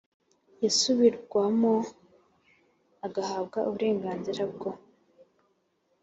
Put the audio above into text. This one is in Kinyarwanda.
yasubirwamo agahabwa uburenganzira bwo